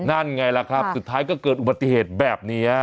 นั่นไงล่ะครับสุดท้ายก็เกิดอุบัติเหตุแบบนี้